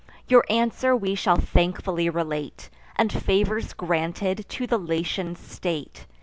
Your answer we shall thankfully relate, And favours granted to the Latian state.